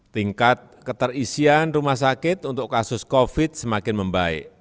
tingkat keterisian rumah sakit untuk kasus covid sembilan belas semakin membaik